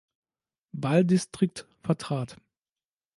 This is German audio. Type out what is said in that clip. Wahldistrikt vertrat.